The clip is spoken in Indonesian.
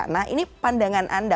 nah ini pandangan anda